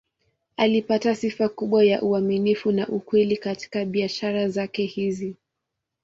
Alipata sifa kubwa ya uaminifu na ukweli katika biashara zake hizi.